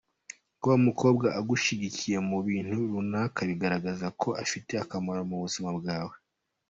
Kuba umukobwa agushyigikira mu bintu runaka bigaragaza ko afite akamaro mu buzima bwawe.